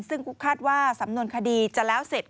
ซึ่งคาดว่าสำนวนคดีจะแล้วเสร็จ